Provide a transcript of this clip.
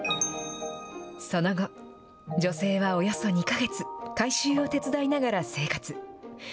その後、女性はおよそ２か月、改修を手伝いながら生活。